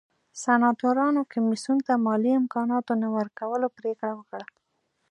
سناتورانو کمېسیون ته مالي امکاناتو نه ورکولو پرېکړه وکړه